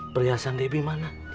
perhiasan debi mana